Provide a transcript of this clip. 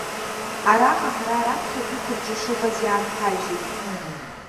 Араҟа ҳара раԥхьатәиқәа рҿы ишыҟаз иаанҳажьит.